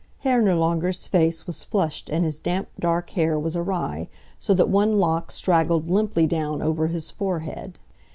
Herr Nirlanger's face was flushed and his damp, dark hair was awry so that one lock straggled limply down over his forehead.